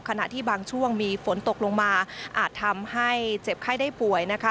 ขณะที่บางช่วงมีฝนตกลงมาอาจทำให้เจ็บไข้ได้ป่วยนะคะ